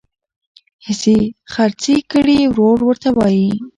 حصي خرڅي کړي ورور ورته وایي